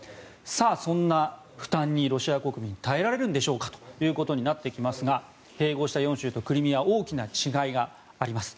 そんな負担にロシア国民耐えられるんでしょうかということになってきますが併合した４州とクリミアには大きな違いがあります。